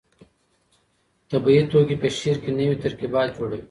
طبیعي توکي په شعر کې نوي ترکیبات جوړوي.